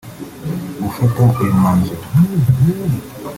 Gufata uyu mwanzuro